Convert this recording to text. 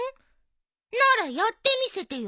ならやってみせてよ。